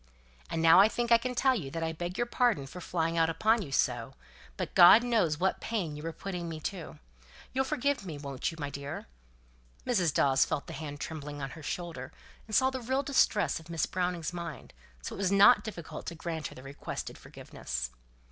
And now I think I can tell you that I beg your pardon for flying out upon you so; but God knows what pain you were putting me to. You'll forgive me, won't you, my dear?" Mrs. Dawes felt the hand trembling on her shoulder, and saw the real distress of Miss Browning's mind, so it was not difficult for her to grant the requested forgiveness.